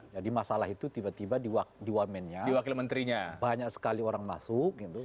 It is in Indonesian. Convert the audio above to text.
jadi masalah itu tiba tiba di wakil menterinya banyak sekali orang masuk gitu